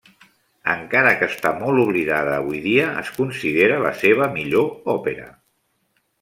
Encara que està molt oblidada avui dia, es considera la seva millor òpera.